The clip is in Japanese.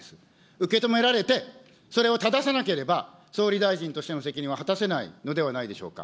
受け止められて、それをただせなければ、総理大臣としての責任を果たせないのではないでしょうか。